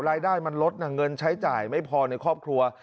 รายได้มันลดเงินใช้จ่ายไม่พอในครอบครัว